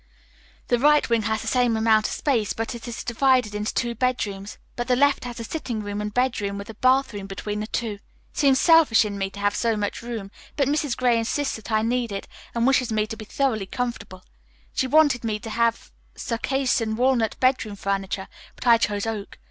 The right wing has the same amount of space, but it is divided into two bedrooms. But the left has a sitting room and bedroom, with a bathroom between the two. It seems selfish in me to have so much room, but Mrs. Gray insists that I need it and wishes me to be thoroughly comfortable. She wanted me to have circassian walnut bedroom furniture, but I chose oak.